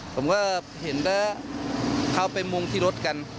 ผมก็เห็นแล้วเขาไปมุงที่รถกัน